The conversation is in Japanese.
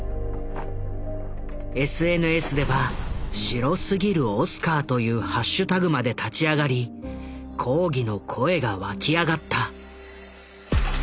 ＳＮＳでは「白すぎるオスカー」というハッシュタグまで立ち上がり抗議の声が湧き上がった。